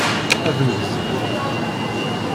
Ad neggzen.